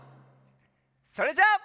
それじゃあ。